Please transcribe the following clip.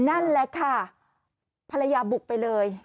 นั่นแหละค่ะภรรยาบุกไปเลย